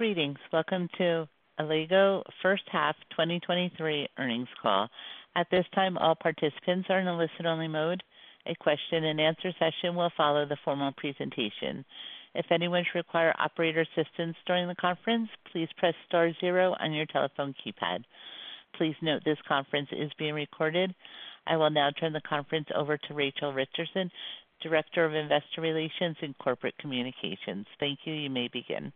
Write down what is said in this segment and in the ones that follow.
Greetings, welcome to Allego first half 2023 earnings call. At this time, all participants are in a listen-only mode. A question-and-answer session will follow the formal presentation. If anyone should require operator assistance during the conference, please press star zero on your telephone keypad. Please note this conference is being recorded. I will now turn the conference over to Rachel Richardson, Director of Investor Relations and Corporate Communications. Thank you. You may begin.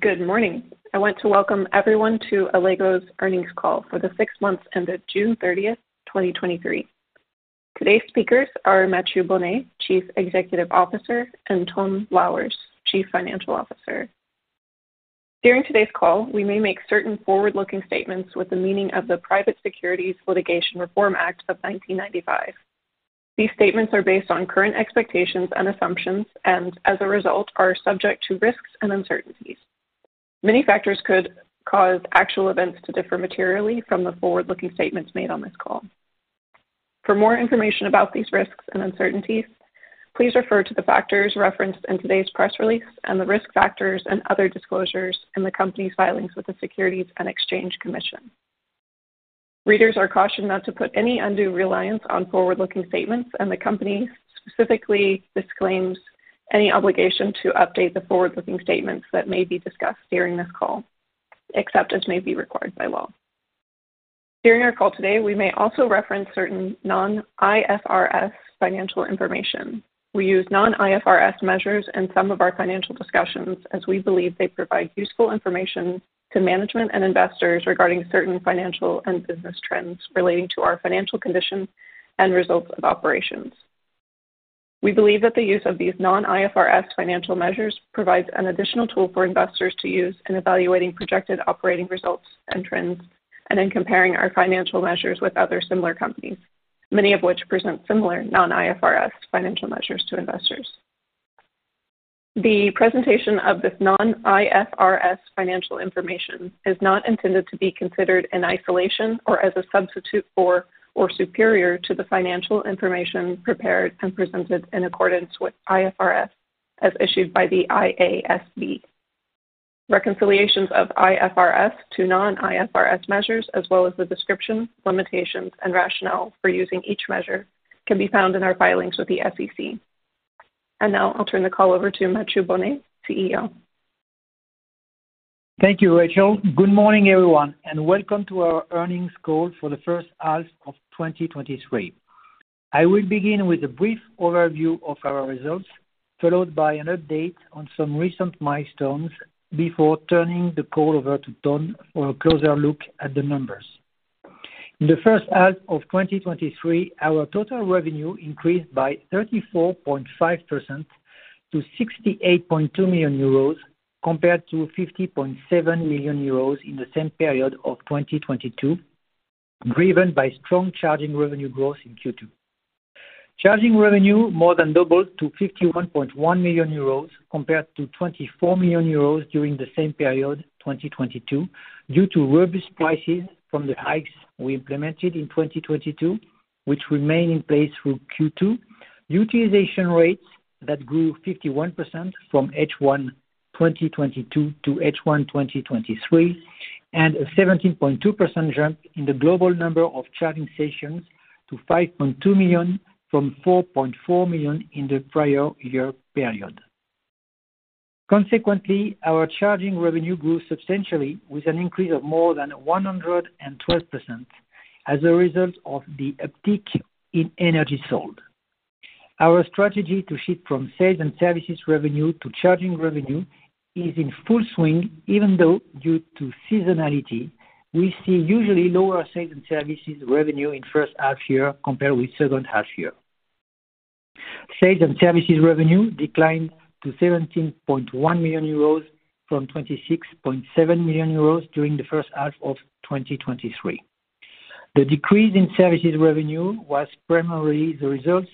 Good morning. I want to welcome everyone to Allego's earnings call for the 6 months ended June 30th, 2023. Today's speakers are Mathieu Bonnet, Chief Executive Officer, and Ton Louwers, Chief Financial Officer. During today's call, we may make certain forward-looking statements with the meaning of the Private Securities Litigation Reform Act of 1995. These statements are based on current expectations and assumptions and, as a result, are subject to risks and uncertainties. Many factors could cause actual events to differ materially from the forward-looking statements made on this call. For more information about these risks and uncertainties, please refer to the factors referenced in today's press release and the risk factors and other disclosures in the Company's filings with the Securities and Exchange Commission. Readers are cautioned not to put any undue reliance on forward-looking statements, and the Company specifically disclaims any obligation to update the forward-looking statements that may be discussed during this call, except as may be required by law. During our call today, we may also reference certain non-IFRS financial information. We use non-IFRS measures in some of our financial discussions, as we believe they provide useful information to management and investors regarding certain financial and business trends relating to our financial condition and results of operations. We believe that the use of these non-IFRS financial measures provides an additional tool for investors to use in evaluating projected operating results and trends, and in comparing our financial measures with other similar companies, many of which present similar non-IFRS financial measures to investors. The presentation of this non-IFRS financial information is not intended to be considered in isolation or as a substitute for or superior to the financial information prepared and presented in accordance with IFRS, as issued by the IASB. Reconciliations of IFRS to non-IFRS measures, as well as the description, limitations and rationale for using each measure, can be found in our filings with the SEC. Now I'll turn the call over to Mathieu Bonnet, CEO. Thank you, Rachel. Good morning, everyone, and welcome to our earnings call for the first half of 2023. I will begin with a brief overview of our results, followed by an update on some recent milestones, before turning the call over to Ton for a closer look at the numbers. In the first half of 2023, our total revenue increased by 34.5% to 68.2 million euros, compared to 50.7 million euros in the same period of 2022, driven by strong charging revenue growth in Q2. Charging revenue more than doubled to 51.1 million euros compared to 24 million euros during the same period, 2022, due to robust prices from the hikes we implemented in 2022, which remain in place through Q2. Utilization rates that grew 51% from H1 2022 to H1 2023, and a 17.2% jump in the global number of charging sessions to 5.2 million from 4.4 million in the prior year period. Consequently, our charging revenue grew substantially, with an increase of more than 112% as a result of the uptick in energy sold. Our strategy to shift from sales and services revenue to charging revenue is in full swing, even though, due to seasonality, we see usually lower sales and services revenue in first half year compared with second half year. Sales and services revenue declined to 17.1 million euros from 26.7 million euros during the first half of 2023. The decrease in services revenue was primarily the result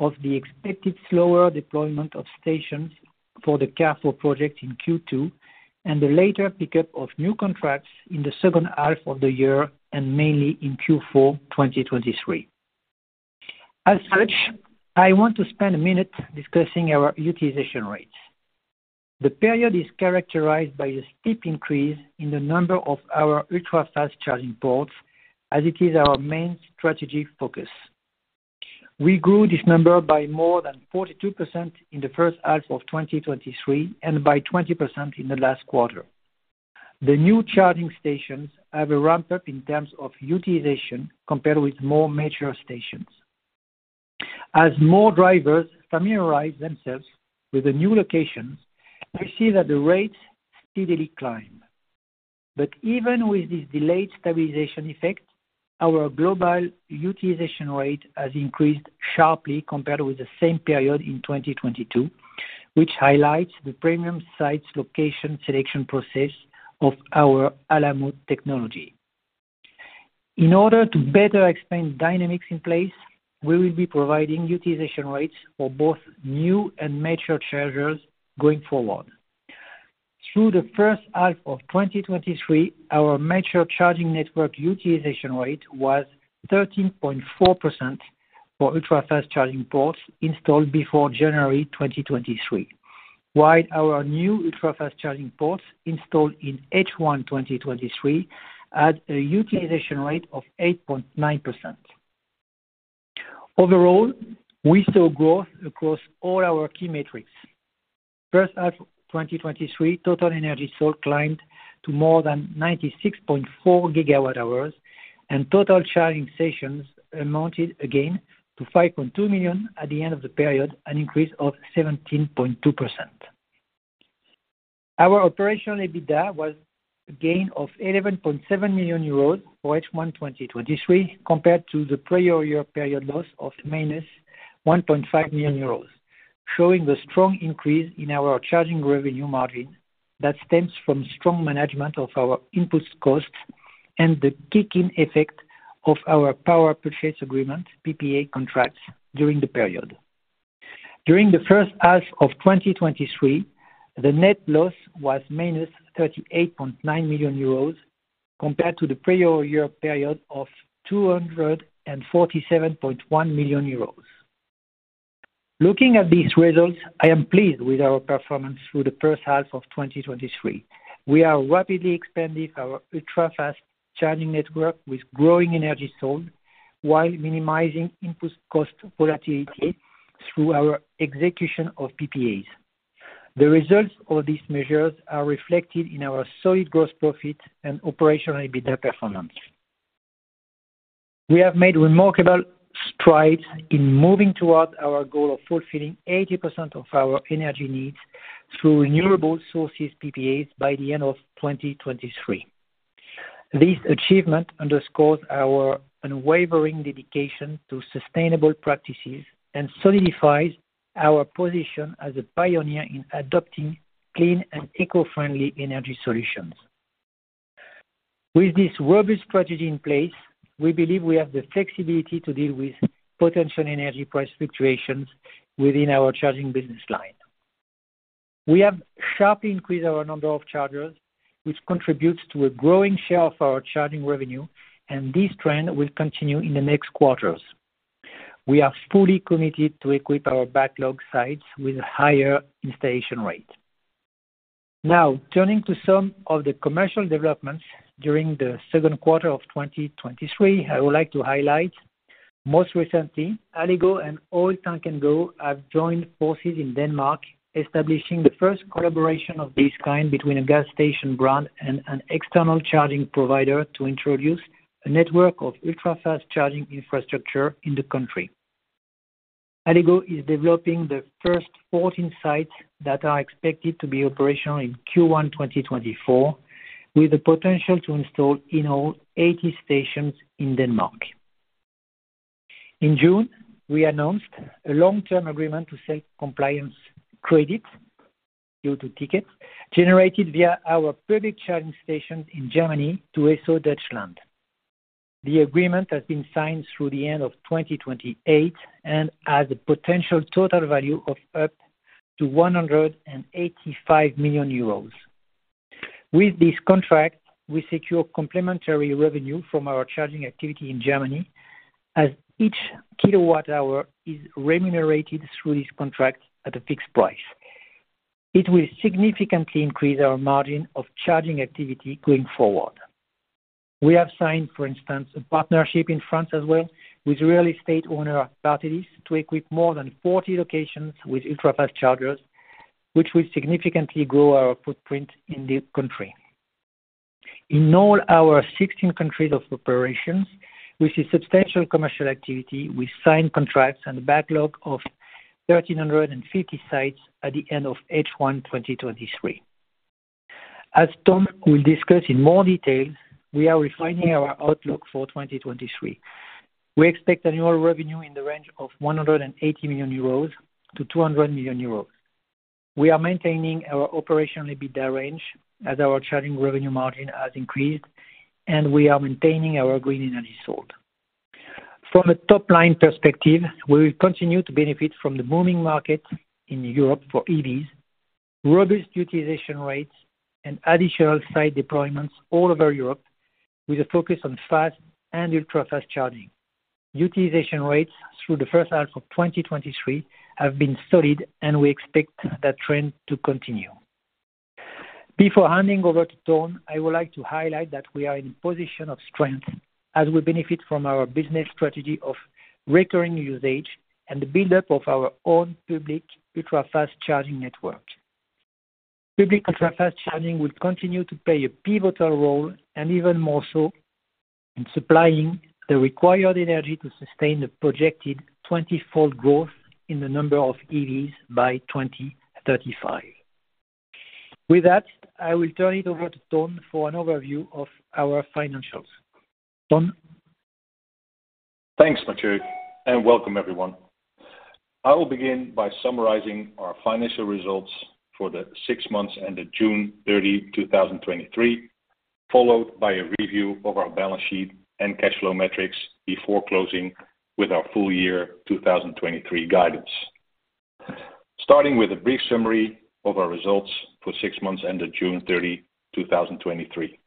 of the expected slower deployment of stations for the Carrefour project in Q2 and the later pickup of new contracts in the second half of the year and mainly in Q4 2023. As such, I want to spend a minute discussing our utilization rates. The period is characterized by a steep increase in the number of our ultra-fast charging ports, as it is our main strategic focus. We grew this number by more than 42% in the first half of 2023 and by 20% in the last quarter. The new charging stations have a ramp-up in terms of utilization compared with more mature stations. As more drivers familiarize themselves with the new locations, we see that the rates steadily climb. Even with this delayed stabilization effect, our global utilization rate has increased sharply compared with the same period in 2022, which highlights the premium sites location selection process of our Allego technology. In order to better explain the dynamics in place, we will be providing utilization rates for both new and mature chargers going forward. Through the first half of 2023, our mature charging network utilization rate was 13.4% for ultra-fast charging ports installed before January 2023. While our new ultra-fast charging ports installed in H1 2023, had a utilization rate of 8.9%. Overall, we saw growth across all our key metrics. First half 2023, total energy sold climbed to more than 96.4 gigawatt-hours, and total charging sessions amounted again to 5.2 million at the end of the period, an increase of 17.2%. Our operational EBITDA was a gain of 11.7 million euros for H1 2023, compared to the prior year period loss of minus 1.5 million euros, showing the strong increase in our charging revenue margin that stems from strong management of our input costs and the kick-in effect of our power purchase agreement, PPA contracts, during the period. During the first half of 2023, the net loss was minus 38.9 million euros compared to the prior year period of 247.1 million euros. Looking at these results, I am pleased with our performance through the first half of 2023. We are rapidly expanding our ultra-fast charging network with growing energy sold, while minimizing input cost volatility through our execution of PPAs. The results of these measures are reflected in our solid gross profit and operational EBITDA performance. We have made remarkable strides in moving towards our goal of fulfilling 80% of our energy needs through renewable sources PPAs by the end of 2023. This achievement underscores our unwavering dedication to sustainable practices and solidifies our position as a pioneer in adopting clean and eco-friendly energy solutions. With this robust strategy in place, we believe we have the flexibility to deal with potential energy price fluctuations within our charging business line. We have sharply increased our number of chargers, which contributes to a growing share of our charging revenue, and this trend will continue in the next quarters. We are fully committed to equip our backlog sites with a higher installation rate. Now, turning to some of the commercial developments during the second quarter of 2023, I would like to highlight most recently, Allego and OIL! Tank & Go have joined forces in Denmark, establishing the first collaboration of this kind between a gas station brand and an external charging provider, to introduce a network of ultra-fast charging infrastructure in the country. Allego is developing the first 14 sites that are expected to be operational in Q1, 2024, with the potential to install in all 80 stations in Denmark. In June, we announced a long-term agreement to sell compliance credits due to tickets generated via our public charging stations in Germany to Esso Deutschland. The agreement has been signed through the end of 2028 and has a potential total value of up to 185 million euros. With this contract, we secure complementary revenue from our charging activity in Germany, as each kilowatt-hour is remunerated through this contract at a fixed price. It will significantly increase our margin of charging activity going forward. We have signed, for instance, a partnership in France as well, with real estate owner, PATRIZIA, to equip more than 40 locations with ultra-fast chargers, which will significantly grow our footprint in the country. In all our 16 countries of operations, we see substantial commercial activity with signed contracts and a backlog of 1,350 sites at the end of H1, 2023. As Ton will discuss in more detail, we are refining our outlook for 2023. We expect annual revenue in the range of 180 million-200 million euros. We are maintaining our operational EBITDA range as our charging revenue margin has increased, and we are maintaining our green energy sold. From a top-line perspective, we will continue to benefit from the booming market in Europe for EVs, robust utilization rates, and additional site deployments all over Europe, with a focus on fast and ultra-fast charging. Utilization rates through the first half of 2023 have been solid, and we expect that trend to continue. Before handing over to Ton, I would like to highlight that we are in a position of strength as we benefit from our business strategy of recurring usage and the buildup of our own public ultra-fast charging network. Public ultra-fast charging will continue to play a pivotal role, and even more so, in supplying the required energy to sustain the projected 20-fold growth in the number of EVs by 2035. With that, I will turn it over to Ton for an overview of our financials. Ton? Thanks, Mathieu, and welcome, everyone. I will begin by summarizing our financial results for the six months ended June 30, 2023, followed by a review of our balance sheet and cash flow metrics before closing with our full year 2023 guidance. Starting with a brief summary of our results for six months ended June 30, 2023.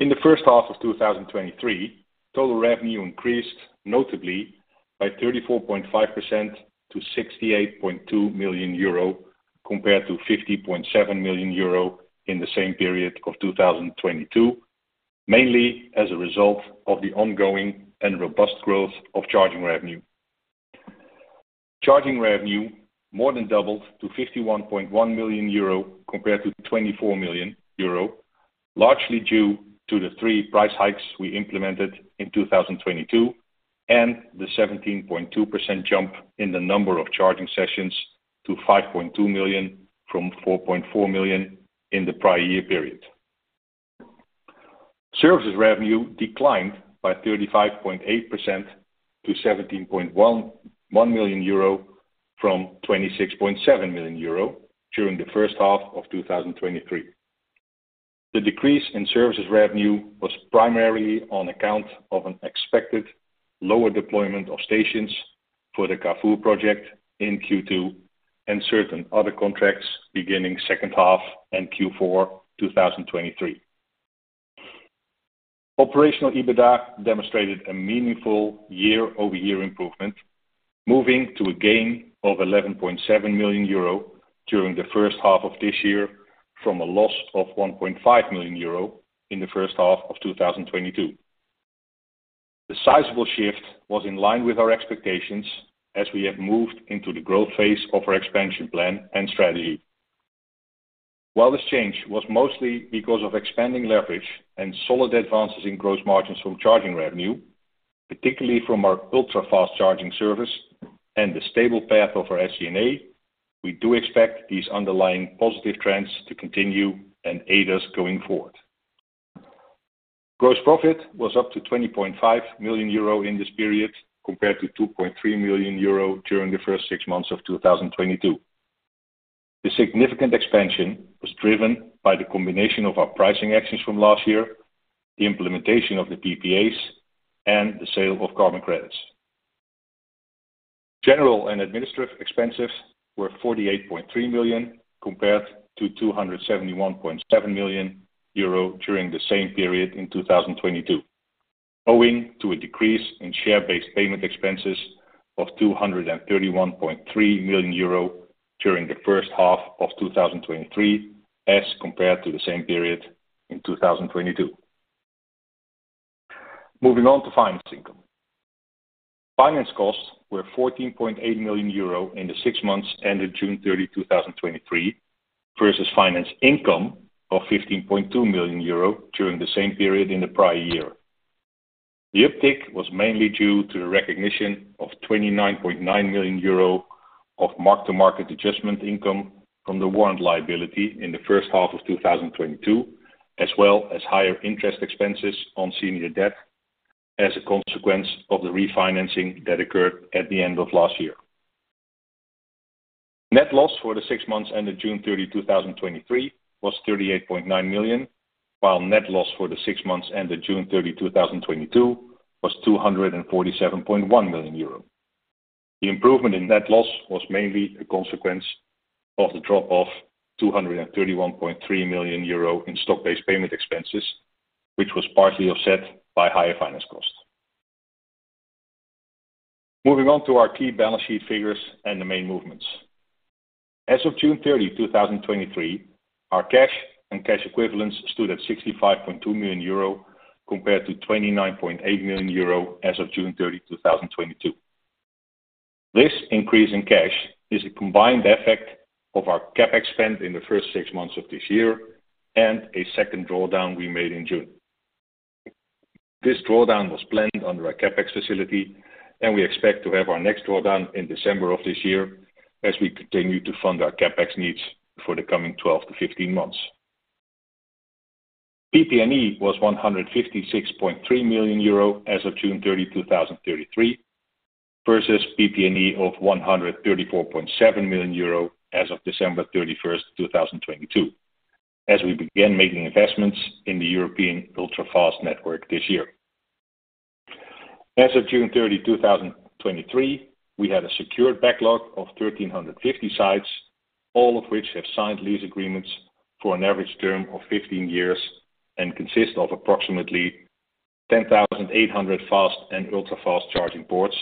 In the first half of 2023, total revenue increased notably by 34.5% to 68.2 million euro, compared to 50.7 million euro in the same period of 2022, mainly as a result of the ongoing and robust growth of charging revenue. Charging revenue more than doubled to 51.1 million euro compared to 24 million euro, largely due to the three price hikes we implemented in 2022, and the 17.2% jump in the number of charging sessions to 5.2 million from 4.4 million in the prior year period. Services revenue declined by 35.8% to 17.11 million euro from 26.7 million euro during the first half of 2023. The decrease in services revenue was primarily on account of an expected lower deployment of stations for the Carrefour project in Q2 and certain other contracts beginning second half and Q4, 2023. Operational EBITDA demonstrated a meaningful year-over-year improvement, moving to a gain of 11.7 million euro during the first half of this year, from a loss of 1.5 million euro in the first half of 2022. The sizable shift was in line with our expectations as we have moved into the growth phase of our expansion plan and strategy. While this change was mostly because of expanding leverage and solid advances in gross margins from charging revenue, particularly from our ultra-fast charging service and the stable path of our SG&A, we do expect these underlying positive trends to continue and aid us going forward. Gross profit was up to 20.5 million euro in this period, compared to 2.3 million euro during the first six months of 2022. The significant expansion was driven by the combination of our pricing actions from last year, the implementation of the PPAs, and the sale of carbon credits. General and administrative expenses were 48.3 million, compared to 271.7 million euro during the same period in 2022, owing to a decrease in share-based payment expenses of 231.3 million euro during the first half of 2023 as compared to the same period in 2022. Moving on to finance income. Finance costs were EUR 14.8 million in the six months ended June 30, 2023, versus finance income of 15.2 million euro during the same period in the prior year. The uptick was mainly due to the recognition of 29.9 million euro of mark-to-market adjustment income from the warrant liability in the first half of 2022, as well as higher interest expenses on senior debt as a consequence of the refinancing that occurred at the end of last year. Net loss for the six months ended June 30, 2023, was 38.9 million, while net loss for the six months ended June 30, 2022, was 247.1 million euro. The improvement in net loss was mainly a consequence of the drop-off of 231.3 million euro in stock-based payment expenses, which was partially offset by higher finance costs. Moving on to our key balance sheet figures and the main movements. As of June 30, 2023, our cash and cash equivalents stood at 65.2 million euro, compared to 29.8 million euro as of June 30, 2022. This increase in cash is a combined effect of our CapEx spend in the first 6 months of this year and a second drawdown we made in June. This drawdown was planned under our CapEx facility, and we expect to have our next drawdown in December of this year as we continue to fund our CapEx needs for the coming 12-15 months. PP&E was 156.3 million euro as of June 30, 2023, versus PP&E of 134.7 million euro as of December 31, 2022, as we began making investments in the European ultra-fast network this year. As of June 30, 2023, we had a secured backlog of 1,350 sites, all of which have signed lease agreements for an average term of 15 years and consist of approximately 10,800 fast and ultra-fast charging ports,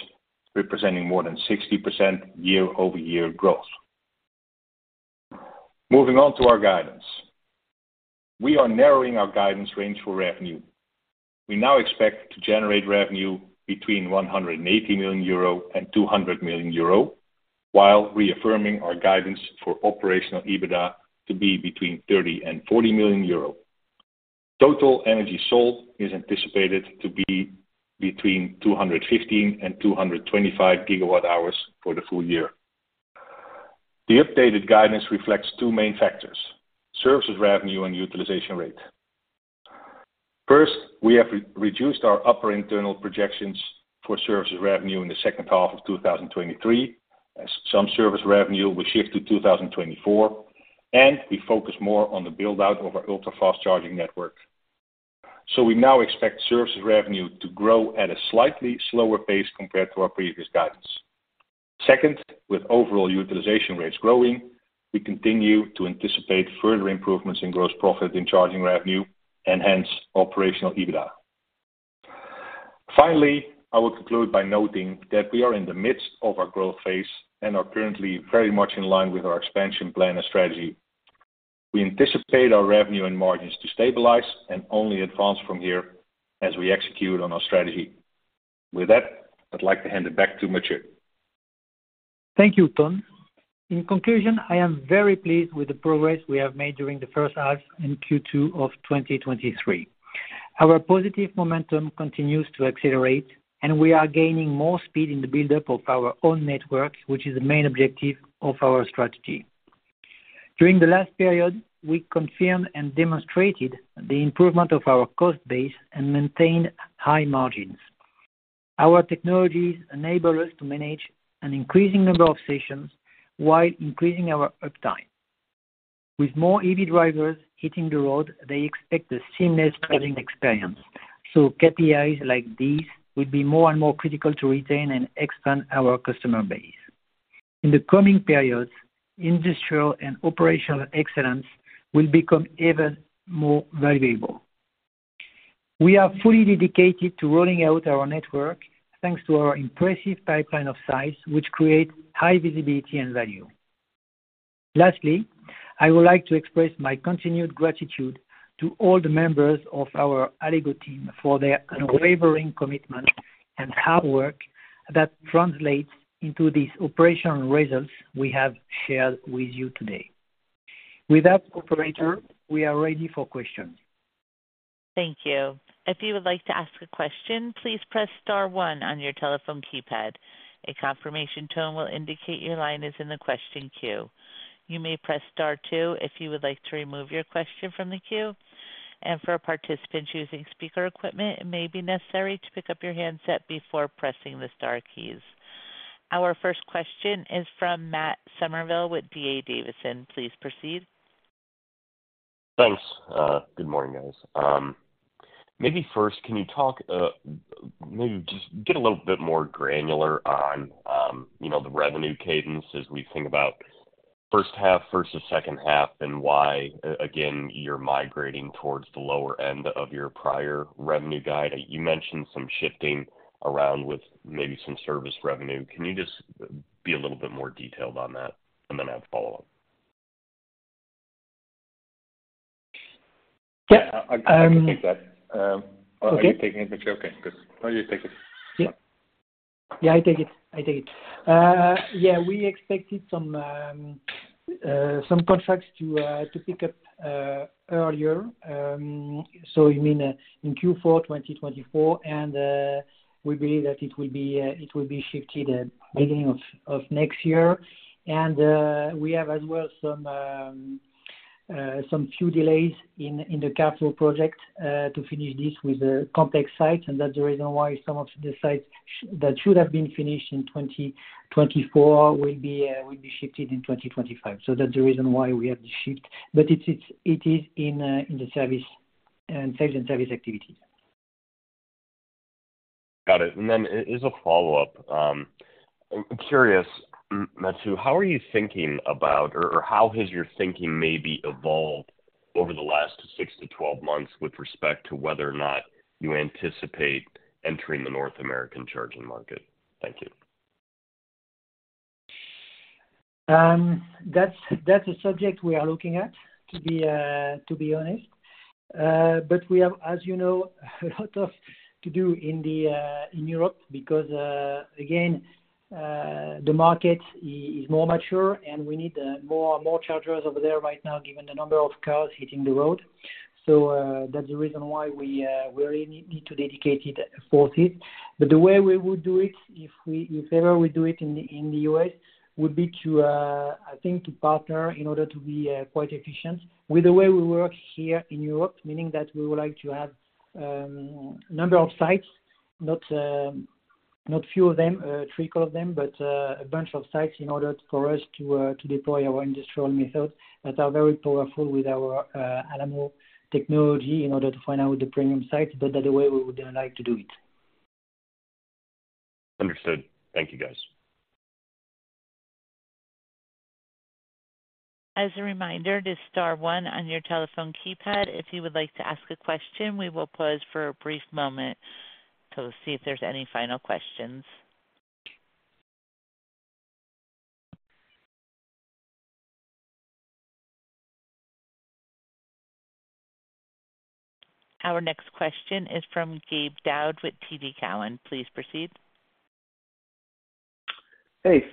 representing more than 60% year-over-year growth. Moving on to our guidance. We are narrowing our guidance range for revenue. We now expect to generate revenue between 180 million euro and 200 million euro, while reaffirming our guidance for operational EBITDA to be between 30 million and 40 million euro. Total energy sold is anticipated to be between 215 and 225 gigawatt-hours for the full year. The updated guidance reflects two main factors, services revenue and utilization rate. First, we have re-reduced our upper internal projections for services revenue in the second half of 2023, as some service revenue will shift to 2024, and we focus more on the build-out of our ultra-fast charging network. We now expect services revenue to grow at a slightly slower pace compared to our previous guidance. Second, with overall utilization rates growing, we continue to anticipate further improvements in gross profit and charging revenue and hence operational EBITDA. Finally, I will conclude by noting that we are in the midst of our growth phase and are currently very much in line with our expansion plan and strategy. We anticipate our revenue and margins to stabilize and only advance from here as we execute on our strategy. With that, I'd like to hand it back to Mathieu. Thank you, Ton. In conclusion, I am very pleased with the progress we have made during the first half in Q2 of 2023. Our positive momentum continues to accelerate, and we are gaining more speed in the buildup of our own network, which is the main objective of our strategy. During the last period, we confirmed and demonstrated the improvement of our cost base and maintained high margins. Our technologies enable us to manage an increasing number of stations while increasing our uptime. With more EV drivers hitting the road, they expect a seamless charging experience, so KPIs like these will be more and more critical to retain and expand our customer base. In the coming periods, industrial and operational excellence will become even more valuable. We are fully dedicated to rolling out our network, thanks to our impressive pipeline of size, which creates high visibility and value. Lastly, I would like to express my continued gratitude to all the members of our Allego team for their unwavering commitment and hard work that translates into these operational results we have shared with you today. With that, Operator, we are ready for questions. Thank you. If you would like to ask a question, please press star one on your telephone keypad. A confirmation tone will indicate your line is in the question queue. You may press star two if you would like to remove your question from the queue, and for a participant using speaker equipment, it may be necessary to pick up your handset before pressing the star keys. Our first question is from Matt Summerville with D.A. Davidson. Please proceed. Thanks. Good morning, guys. maybe first, can you talk, maybe just get a little bit more granular on, you know, the revenue cadence as we think about first half versus second half, and why, again, you're migrating towards the lower end of your prior revenue guide? You mentioned some shifting around with maybe some service revenue. Can you just be a little bit more detailed on that? I have a follow-up. Yeah. I, I can take that. Okay. Are you taking it, Mathieu? Okay, good. Oh, you take it. Yeah. Yeah, I take it. I take it. Yeah, we expected some contracts to pick up earlier. You mean in Q4 2024, and we believe that it will be shifted beginning of next year. We have as well, some few delays in the capital project to finish this with the complex sites, and that's the reason why some of the sites that should have been finished in 2024 will be shifted in 2025. That's the reason why we have the shift, but it's, it's, it is in the service and sales and service activities. Got it. Then as, as a follow-up, I'm curious, Mathieu, how are you thinking about, or, or how has your thinking maybe evolved over the last six to 12 months with respect to whether or not you anticipate entering the North American charging market? Thank you. That's, that's a subject we are looking at, to be honest. We have, as you know, a lot of to do in Europe because, again, the market is more mature, and we need more, more chargers over there right now, given the number of cars hitting the road. That's the reason why we really need, need to dedicate it for it. The way we would do it, if ever we do it in the U.S., would be to, I think, to partner in order to be quite efficient. With the way we work here in Europe, meaning that we would like to have number of sites, not not few of them, trickle of them, but a bunch of sites in order for us to deploy our industrial methods that are very powerful with our Allego technology in order to find out the premium sites, but that the way we would like to do it. Understood. Thank you, guys. As a reminder, it is star one on your telephone keypad. If you would like to ask a question, we will pause for a brief moment to see if there's any final questions. Our next question is from Gabe Daoud with TD Cowen. Please proceed. Hey,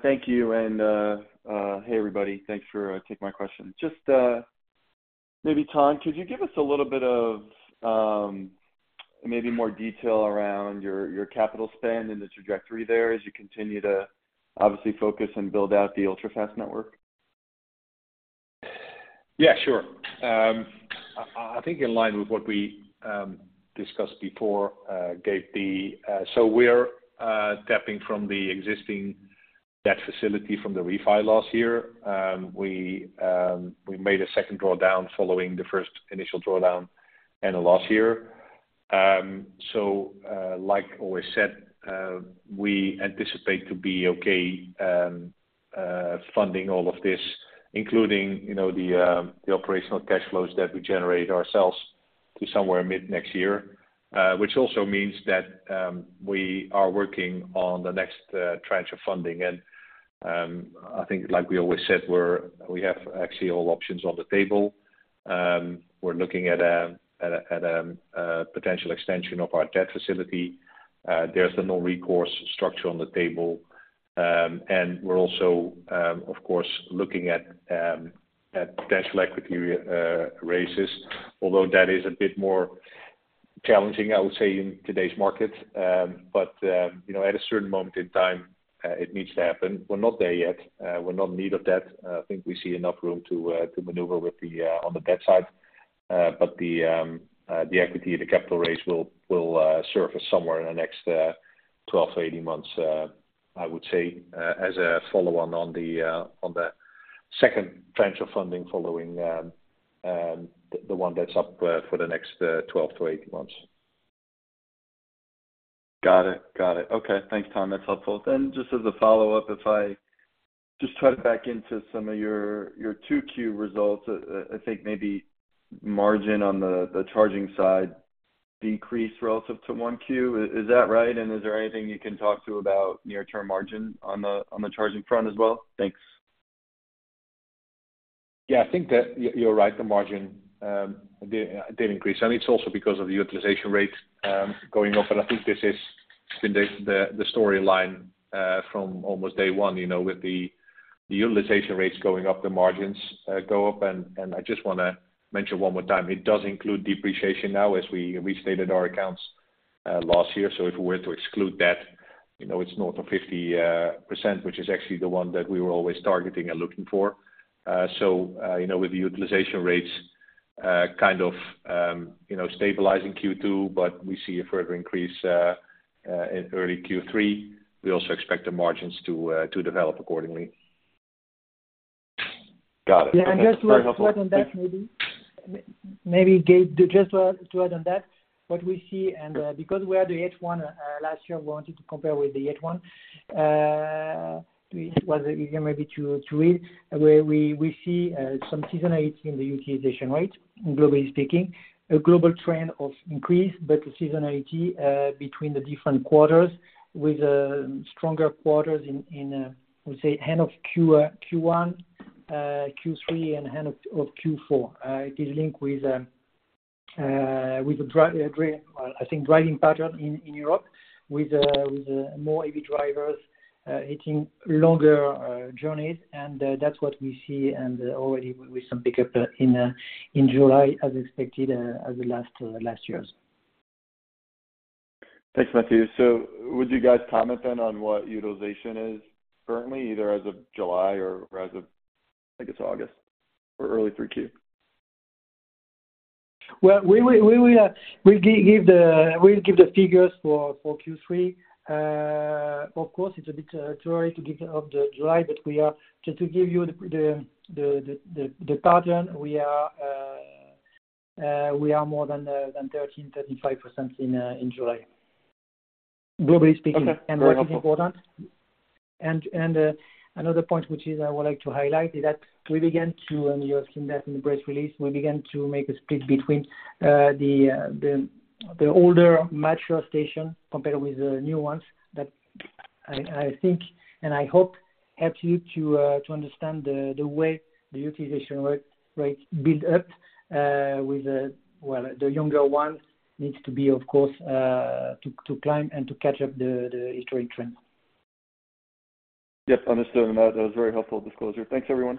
thank you. Hey, everybody, thanks for taking my question. Just maybe, Ton, could you give us a little bit of maybe more detail around your, your capital spend and the trajectory there as you continue to obviously focus and build out the ultra-fast network? Yeah, sure. I, I think in line with what we discussed before, Gabe, so we're tapping from the existing-.... that facility from the refi last year. We, we made a second drawdown following the first initial drawdown end of last year. Like always said, we anticipate to be okay, funding all of this, including, you know, the operational cash flows that we generate ourselves to somewhere mid-next year. Which also means that we are working on the next tranche of funding. I think like we always said, we have actually all options on the table. We're looking at a, at a, at a potential extension of our debt facility. There's the non-recourse structure on the table. We're also, of course, looking at potential equity raises, although that is a bit more challenging, I would say, in today's market. You know, at a certain moment in time, it needs to happen. We're not there yet. We're not in need of that. I think we see enough room to maneuver with the on the debt side. The the equity, the capital raise will, will, surface somewhere in the next 12 to 18 months, I would say, as a follow-on on the on the 2nd tranche of funding, following the the one that's up for the next 12 to 18 months. Got it. Got it. Okay, thanks, Ton. That's helpful. Then just as a follow-up, if I just touch back into some of your, your 2Q results, I think maybe margin on the, the charging side decreased relative to 1Q. Is, is that right? And is there anything you can talk to about near-term margin on the, on the charging front as well? Thanks. Yeah, I think that you're, you're right, the margin did, did increase, and it's also because of the utilization rate going up. I think this is been the, the, the storyline from almost day one, you know, with the utilization rates going up, the margins go up. I just want to mention one more time, it does include depreciation now as we restated our accounts last year. If we were to exclude that, you know, it's north of 50%, which is actually the one that we were always targeting and looking for. You know, with the utilization rates kind of, you know, stabilize in Q2, but we see a further increase in early Q3. We also expect the margins to develop accordingly. Got it. Yeah, just to add on that, maybe. Maybe, Gabe, just to add on that, what we see and because we are the H1 last year, we wanted to compare with the H1. It was easier maybe to, to read, where we see some seasonality in the utilization rate, globally speaking. A global trend of increase, but a seasonality between the different quarters, with stronger quarters in, in, we say end of Q, Q1, Q3, and end of Q4. It is linked with with the drive, I think, driving pattern in Europe, with with more heavy drivers hitting longer journeys. That's what we see and already with some pickup in July, as expected, as the last last years. Thanks, Mathieu. Would you guys comment then on what utilization is currently, either as of July or as of, I think it's August, or early Q3? Well, we will, we will, we'll give the figures for Q3. Of course, it's a bit too early to give of the July, but we are. Just to give you the, the, the, the, the pattern, we are more than 35% in July, globally speaking. Okay. That is important. Another point, which is I would like to highlight, is that we began to, and you have seen that in the press release, we began to make a split between the, the, the older, mature station compared with the new ones. That, I, I think, and I hope, helps you to understand the, the way the utilization rate, rate build up, with the... Well, the younger ones needs to be, of course, to, to climb and to catch up the, the historic trend. Yep, understood on that. That was a very helpful disclosure. Thanks, everyone.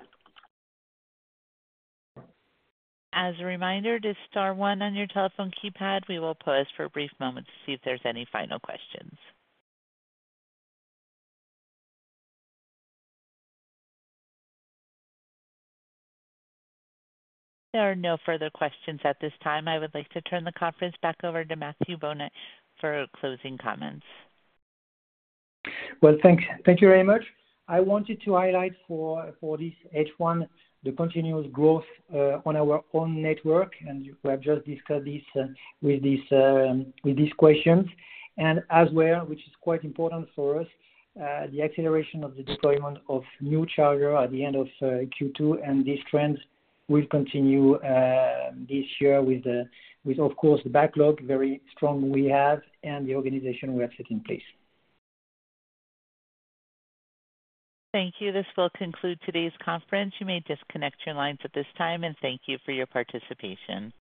As a reminder, just star one on your telephone keypad. We will pause for a brief moment to see if there's any final questions. There are no further questions at this time. I would like to turn the conference back over to Mathieu Bonnet for closing comments. Well, thank, thank you very much. I wanted to highlight for, for this H1, the continuous growth on our own network, and we have just discussed this with these with these questions. As well, which is quite important for us, the acceleration of the deployment of new charger at the end of Q2, and this trend will continue this year with, of course, the backlog, very strong we have, and the organization we have set in place. Thank you. This will conclude today's conference. You may disconnect your lines at this time, and thank you for your participation.